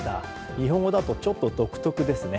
日本語だとちょっと独特ですね。